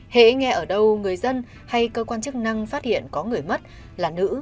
hãy nghe ở đâu người dân hay cơ quan chức năng phát hiện có người mất là nữ